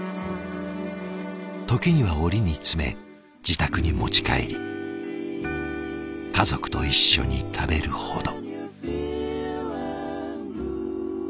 時には折に詰め自宅に持ち帰り家族と一緒に食べるほど。